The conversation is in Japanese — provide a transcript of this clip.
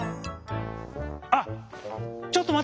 あっちょっとまって！